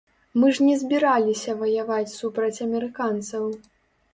Мы ж не збіраліся ваяваць супраць амерыканцаў.